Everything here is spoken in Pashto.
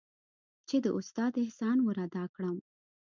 چې د استاد احسان ورادا کړم.